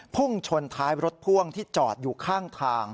พุ่งชนท้ายรถพ่วงที่จอดอยู่ข้างทาง